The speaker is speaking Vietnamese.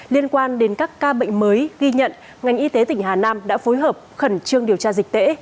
liên quan đến các ca bệnh mới ghi nhận ngành y tế tỉnh hà nam đã phối hợp khẩn trương điều tra dịch tễ